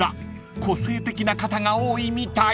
個性的な方が多いみたい］